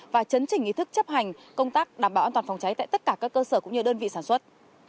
và chấn chỉnh ý thức chấp hành công tác đảm bảo an toàn phòng cháy tại tất cả các cơ sở cũng như đơn vị sản xuất